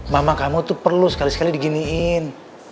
mama kamu tuh perlu sekali sekali diginiin